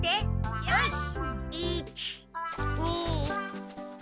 よし！